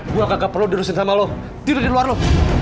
gua gak perlu dirusin sama lu tidur di luar lu